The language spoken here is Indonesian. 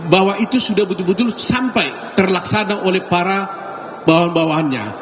bahwa itu sudah betul betul sampai terlaksana oleh para bawahan bawahannya